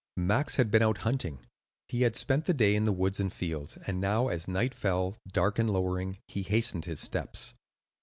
Max had been out hunting. He had spent the day in the woods and fields, and now as night fell, dark and lowering, he hastened his steps.